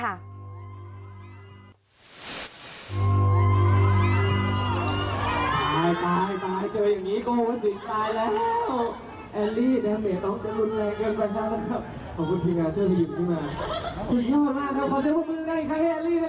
ตายเจออย่างนี้โก้ว่าสินตายแล้ว